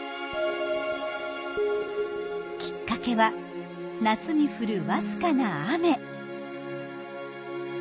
きっかけは夏に降る僅かな雨。